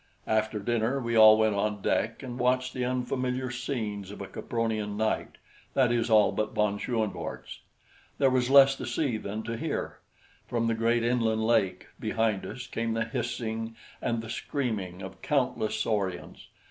After dinner we all went on deck and watched the unfamiliar scenes of a Capronian night that is, all but von Schoenvorts. There was less to see than to hear. From the great inland lake behind us came the hissing and the screaming of countless saurians.